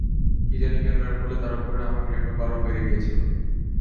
কী জানি কেন, এর ফলে তার ওপরে আমার ঘূণাটুকু আরো বেড়ে গিয়েছিল।